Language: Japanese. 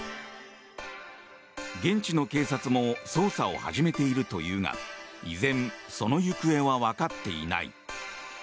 現地の警察も捜査を始めているというが依然、その行方はわかっていない。